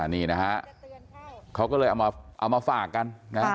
นี่นะฮะเขาก็เลยเอามาฝากกันนะ